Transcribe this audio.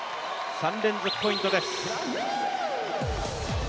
３連続ポイントです。